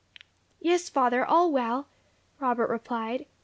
"Yes, father, all well," Robert replied.